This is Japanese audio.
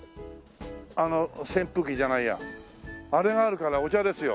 あの扇風機じゃないやあれがあるからお茶ですよ。